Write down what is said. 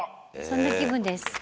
そんな気分です。